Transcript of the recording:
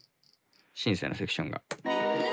シンセのセクションが。